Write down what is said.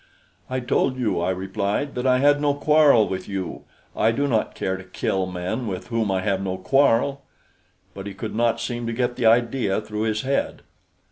"I told you," I replied, "that I had no quarrel with you. I do not care to kill men with whom I have no quarrel." But he could not seem to get the idea through his head.